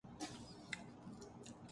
ریاست جسم کی طرح ہوتی ہے۔